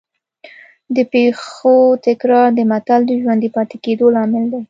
د پېښو تکرار د متل د ژوندي پاتې کېدو لامل دی